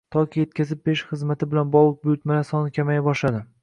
Yoki etkazib berish xizmati bilan bog'liq buyurtmalar soni kamaya boshladi